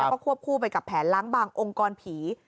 แล้วก็ควบคู่ไปกับแผนล้างบางองค์กรผี